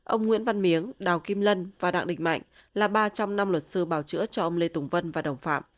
ông nguyễn văn miếng đào kim lân và đặng địch mạnh là ba trăm linh năm luật sư bào chữa cho ông lê tùng vân và đồng phạm